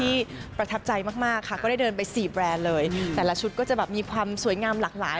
ประทับใจมากมากค่ะก็ได้เดินไปสี่แบรนด์เลยแต่ละชุดก็จะแบบมีความสวยงามหลากหลาย